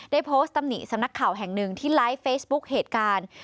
โพสต์ตำหนิสำนักข่าวแห่งหนึ่งที่ไลฟ์เฟซบุ๊กเหตุการณ์